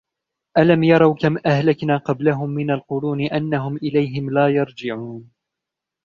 ألم يروا كم أهلكنا قبلهم من القرون أنهم إليهم لا يرجعون